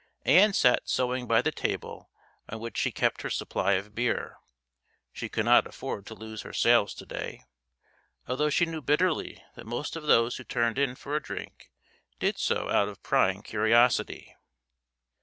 Ann sat sewing by the table on which she kept her supply of beer. She could not afford to lose her sales to day, although she knew bitterly that most of those who turned in for a drink did so out of prying curiosity.